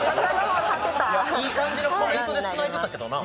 いい感じのコメントでつないでたけどな。